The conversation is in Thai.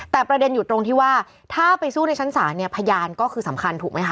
แต่ประเด็นอยู่ตรงที่ว่าถ้าไปสู้ในชั้นศาลเนี่ยพยานก็คือสำคัญถูกไหมค